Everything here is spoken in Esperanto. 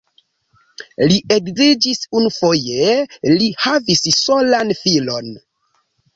Li edziĝis unufoje, li havis solan filon.